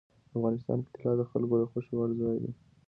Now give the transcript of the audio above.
افغانستان کې طلا د خلکو د خوښې وړ ځای دی.